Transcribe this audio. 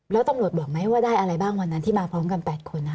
แล้วตำรวจบอกไหมว่าได้อะไรบ้างวันนั้นที่มาพร้อมกัน๘คน